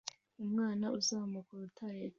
Umwana uzamuka urutare